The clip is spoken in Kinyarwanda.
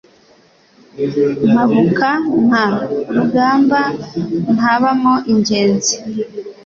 Mpabuka nta rugamba ntabamo ingenzi